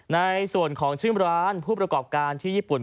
ในส่วนของชื่อร้านผู้ประกอบการที่ญี่ปุ่น